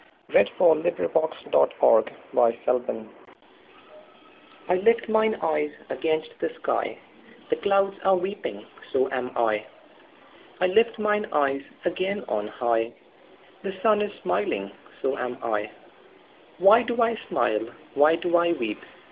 Morris Rosenfeld I Know Not Why I LIFT mine eyes against the sky, The clouds are weeping, so am I;I lift mine eyes again on high, The sun is smiling, so am I.Why do I smile? Why do I weep?